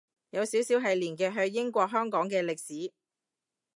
有少少係連結去英國香港嘅歷史